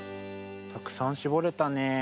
たくさんしぼれたね。